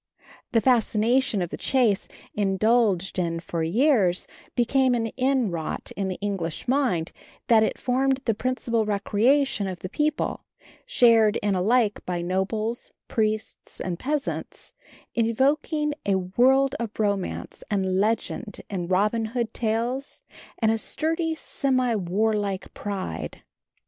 The fascination of the chase, indulged in for years, became so inwrought in the English mind that it formed the principal recreation of the people, shared in alike by nobles, priests and peasants, evoking a world of romance and legend in Robin Hood tales, and a sturdy, semi warlike pride.